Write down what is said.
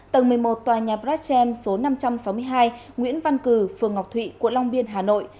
tầng một mươi một tòa nhà brazchem số năm trăm sáu mươi hai nguyễn văn cử phường ngọc thụy quận long biên hà nội